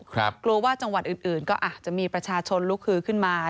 กลัวว่าจังหวัดอื่นก็อาจจะมีประชาชนลุกคือขึ้นมา